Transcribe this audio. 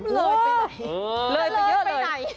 เลยไปไหนเลยไปไหน